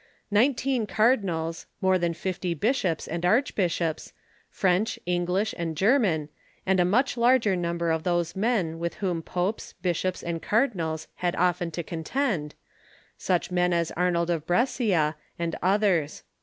nineteen cardinals, more than fifty bishops and archbishops, French, English and German, and a much larger number of those men with whom popes, bishops, and cardinals had often to contend — such men as Arnold of Brescia and oth ers.